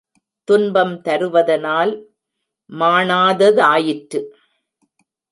துன்பம் தருவதனால் மாணாததாயிற்று.